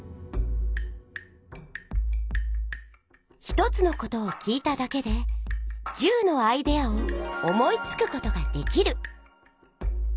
「一つのことを聞いただけで十のアイデアを思いつくことができる」。